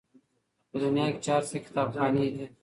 په دنیا کي چي هر څه کتابخانې دي